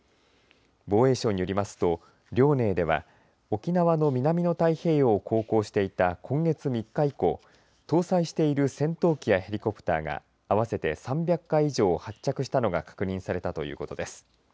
防衛省によりますと遼寧では沖縄の南の太平洋を航行していた今月３日以降搭載している戦闘機やヘリコプターが合わせて３００回以上発着したのが確認されたということです。